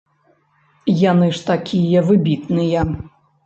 Яны ж такія выбітныя!